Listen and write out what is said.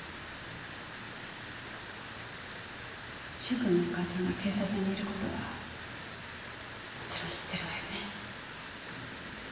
駿君のお母さんが警察にいる事はもちろん知ってるわよね？